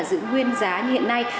giữ nguyên giá như hiện nay